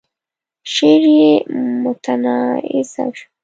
شعر يې متنازعه شو.